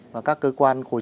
và các cơ quan khổ trị